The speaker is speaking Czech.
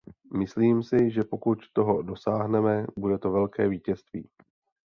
Myslím si, že pokud toho dosáhneme, bude to velké vítězství.